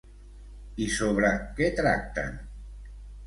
I sobre què tracten?